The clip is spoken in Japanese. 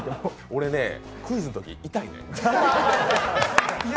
俺ね、クイズのときイタいねん。